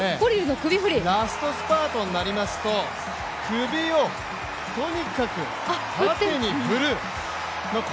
ラストスパートになりますと首をとにかく縦に振る！